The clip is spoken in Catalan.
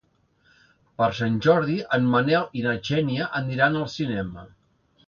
Per Sant Jordi en Manel i na Xènia aniran al cinema.